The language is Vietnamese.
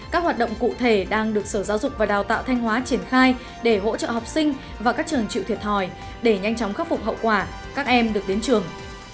các hoạt động cụ thể đang được sở giáo dục và đào tạo thanh hóa triển khai để hỗ trợ học sinh và các trường chịu thiệt hỏi để nhanh chóng khắc phục hậu quả các em được đến trường